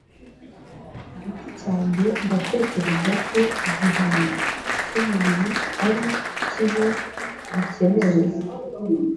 Ku giti cyanjye, ndatekereza ko igihano cyumubiri ari kibi gikenewe.